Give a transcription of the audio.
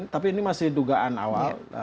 tapi ini masih dugaan awal